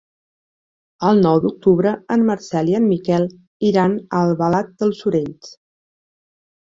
El nou d'octubre en Marcel i en Miquel iran a Albalat dels Sorells.